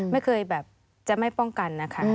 ไม่เคยแบบจะไม่ป้องกันนะคะ